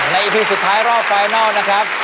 อีพีสุดท้ายรอบไฟนอลนะครับ